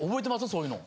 そういうの。